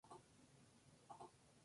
Hay una Sociedad Dano-Australiana.